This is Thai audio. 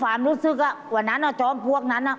ฟ้าลินรู้สึกว่าวันนั้นจอมปลวกนั้น